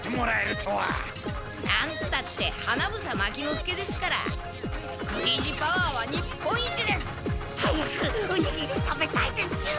なんたって花房牧之介ですから食い意地パワーは日本一です！早くおにぎり食べたいでチュ！